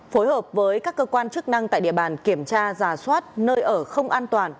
phối hợp với các cơ quan chức năng tại địa bàn kiểm tra giả soát nơi ở không an toàn